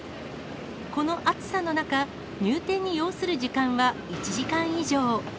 この暑さの中、入店に要する時間は１時間以上。